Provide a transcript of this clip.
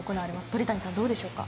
鳥谷さん、どうでしょうか。